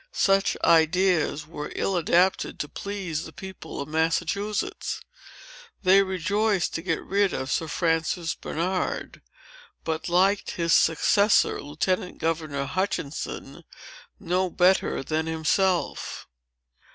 Such ideas were ill adapted to please the people of Massachusetts. They rejoiced to get rid of Sir Francis Bernard, but liked his successor, Lieutenant Governor Hutchinson, no better than himself.